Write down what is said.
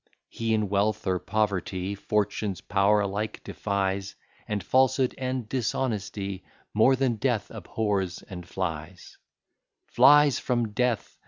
He in wealth or poverty, Fortune's power alike defies; And falsehood and dishonesty More than death abhors and flies: Flies from death!